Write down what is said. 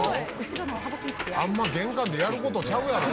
あんま玄関でやる事ちゃうやろ。